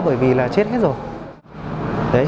bởi vì là chết hết rồi